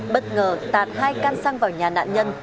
bất ngờ tạt hai can xăng vào nhà nạn nhân